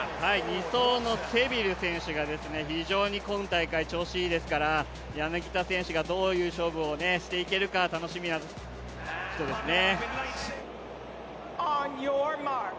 ２走のセビル選手が非常に調子がいいですから柳田選手がどういう勝負をしていけるか楽しみな人ですね。